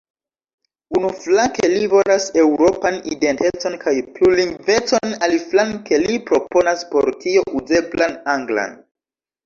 Unuflanke, li volas eŭropan identecon kaj plurlingvecon, aliflanke li proponas por tio "uzeblan anglan".